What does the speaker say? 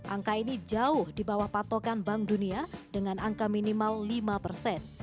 angka ini jauh di bawah patokan bank dunia dengan angka minimal lima persen